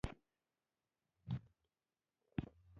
لمر د غرونو شا ته ورکېږي او آسمان سور رنګ خپلوي.